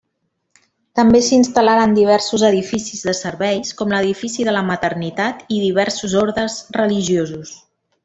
També s'instal·laren diversos edificis de serveis, com l'edifici de la Maternitat i diversos ordes religiosos.